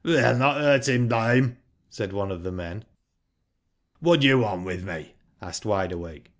We'll not hurt him, dame," said one of the men. '* What do you want with me ?" asked Wide Awake.